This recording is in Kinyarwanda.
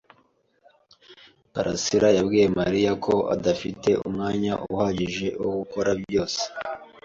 karasira yabwiye Mariya ko adafite umwanya uhagije wo gukora byose.